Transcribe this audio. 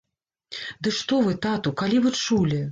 Ды што вы, тату, калі вы чулі?